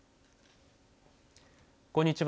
こんにちは。